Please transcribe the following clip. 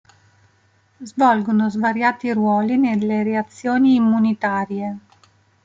Svolgono svariati ruoli nelle reazioni immunitarie.